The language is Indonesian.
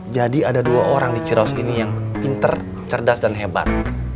jadi ada dua orang di ciros ini yang pinter cerdas dan hebat